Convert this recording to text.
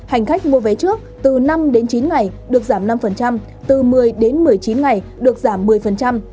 hành khách mua vé trước từ năm đến chín ngày được giảm năm từ một mươi đến một mươi chín ngày được giảm một mươi